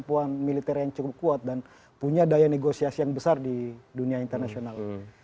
kemampuan militer yang cukup kuat dan punya daya negosiasi yang besar di dunia internasional